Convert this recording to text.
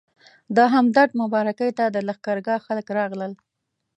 د همدرد مبارکۍ ته د لښکرګاه خلک راغلل.